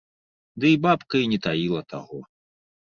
Дый бабка і не таіла таго.